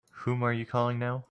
Whom are you calling now?